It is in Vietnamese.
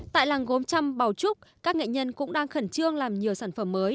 tại làng gốm trăm bảo trúc các nghệ nhân cũng đang khẩn trương làm nhiều sản phẩm mới